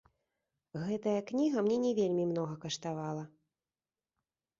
Гэтая кніга мне не вельмі многа каштавала.